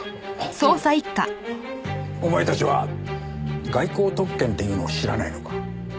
お前たちは外交特権っていうのを知らないのか？